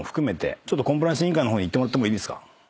コンプライアンス委員会の方に行ってもらってもいいですか。